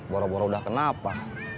boroboro udah kenapa